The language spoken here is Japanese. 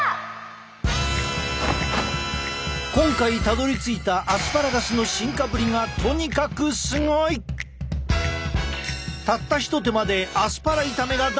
今回たどりついたアスパラガスの進化ぶりがとにかくすごい！たった一手間でアスパラ炒めが大変身！